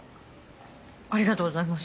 ありがとうございます。